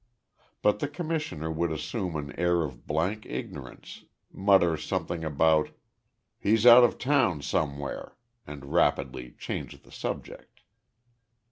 But the Commissioner would assume an air of blank ignorance, mutter something about, "He's out of town somewhere," and rapidly change the subject.